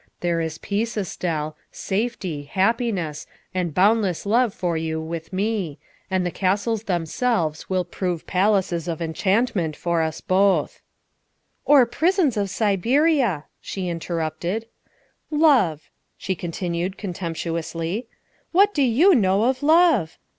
There is peace, Estelle, safety, happiness, and boundless love for you with me, and the castles themselves will prove palaces of enchantment for us both." THE SECRETARY OF STATE 305 " Or prisons of Siberia," she interrupted. '' Love !'' she continued contemptuously. '' What do you know of love?